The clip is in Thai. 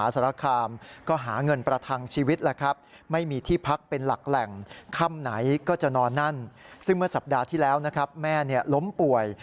ซึ่งเมื่อสัปดาห์ที่แล้วแม่ล้มป่วย